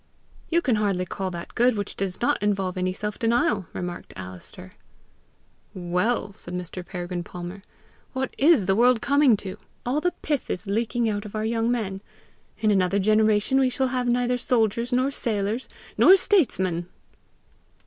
"You can hardly call that good which does not involve any self denial!" remarked Alister. "Well," said Mr. Peregrine Palmer, "what IS the world coming to? All the pith is leaking out of our young men. In another generation we shall have neither soldiers nor sailors nor statesmen!"